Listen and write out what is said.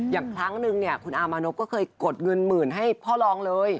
อย่างครั้งนึงเนี่ยคุณอามานพก็เคยกดเงินหมื่นให้พ่อรองเลย